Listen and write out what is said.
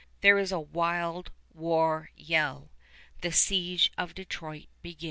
There is a wild war yell. The siege of Detroit begins.